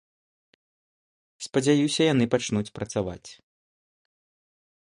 Спадзяюся, яны пачнуць працаваць.